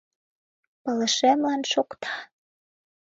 — Пылышемлан шокта.